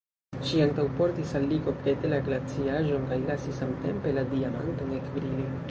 Ŝi antaŭportis al li kokete la glaciaĵon kaj lasis samtempe la diamanton ekbrili.